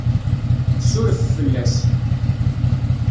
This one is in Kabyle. Suref fell-as!